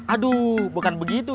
aduh bukan begitu